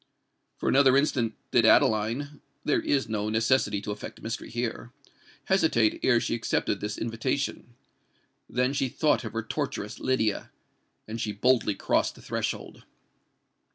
For another instant did Adeline—(there is no necessity to affect mystery here)—hesitate ere she accepted this invitation:—then she thought of her torturess Lydia—and she boldly crossed the threshold.